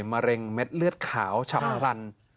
มะเร็งเม็ดเลือดขาวฉับพลัน